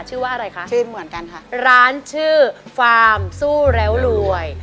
ชื่อว่าอะไรคะชื่อเหมือนกันค่ะร้านชื่อฟาร์มสู้แล้วรวย